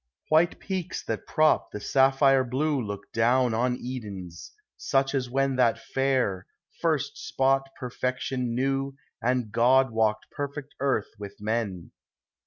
White peaks that prop the sapphire blue Look down on Edens, such as when That fair, first spot perfection knew And God walked perfect earth with men.